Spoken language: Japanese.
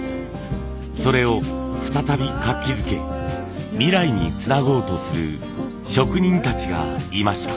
それを再び活気づけ未来につなごうとする職人たちがいました。